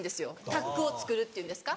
タックを作るっていうんですか？